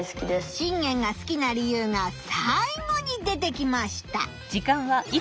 信玄が好きな理由がさい後に出てきました。